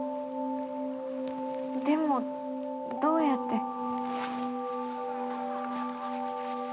でもどうやって？